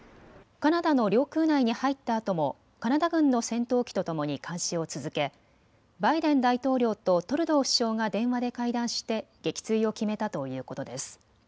カナダの領空内に入ったあともカナダ軍の戦闘機とともに監視を続けバイデン大統領とトルドー首相が電話で会談して撃墜を決めたということです。